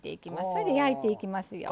それで焼いていきますよ。